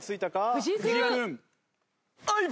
藤井君。